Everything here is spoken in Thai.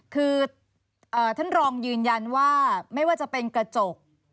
คือท่านรองยืนยันว่าไม่ว่าจะเป็นกระจก